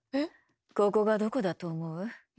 ここがどこだと思う？